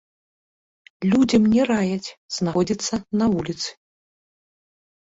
Людзям не раяць знаходзіцца на вуліцы.